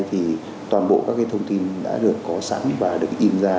thì toàn bộ các cái thông tin đã được có sẵn và được in ra